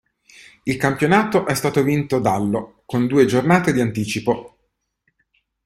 Il campionato è stato vinto dallo con due giornate di anticipo.